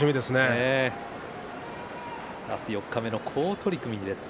明日、四日目の好取組です。